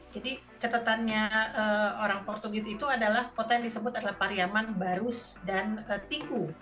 jadi catatannya orang portugis itu adalah kota yang disebut adalah pariaman barus dan tinku